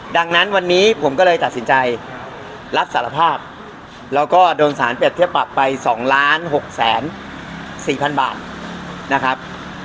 ดังนั้นวันนี้ผมก็เลยตัดสินใจรับสารภาพแล้วก็โดนสารเปรียบเทียบปรับไป๒๖๔๐๐๐บาทนะครับ